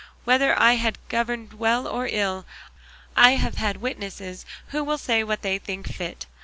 Whether I have governed well or ill, I have had witnesses who will say what they think fit.